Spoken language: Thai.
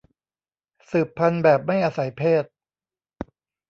สืบพันธุ์แบบไม่อาศัยเพศ